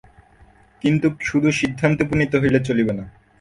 কিন্তু শুধু সিদ্ধান্তে উপনীত হইলে চলিবে না।